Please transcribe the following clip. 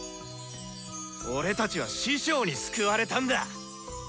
俺たちは師匠に救われたんだ！